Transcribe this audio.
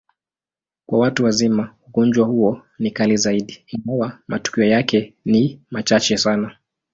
Kwa watu wazima, ugonjwa huo ni kali zaidi, ingawa matukio yake ni machache sana.